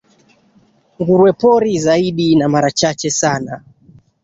nguruwe pori zaidi na mara chache sana